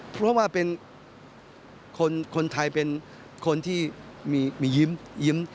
เพราะว่าเป็นคนไทยเป็นคนที่มียิ้ม